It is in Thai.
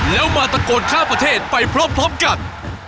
แล้วมาตะโกนข้ามประเทศไปพร้อมกัน